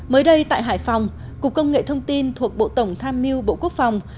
mới đây tại hải phòng cục công nghệ thông tin thuộc bộ tổng tham mưu bộ quốc phòng